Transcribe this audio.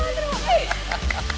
wah terima kasih